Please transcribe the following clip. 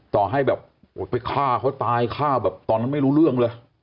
ต่อให้แบบไปฆ่าเขาตายฆ่าแบบตอนนั้นไม่รู้เรื่องเลย